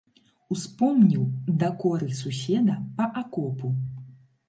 Успомніў дакоры суседа па акопу.